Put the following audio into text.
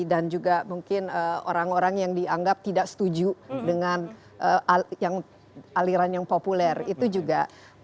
dan juga mungkin orang orang yang dianggap tidak setuju dengan aliran yang populer itu juga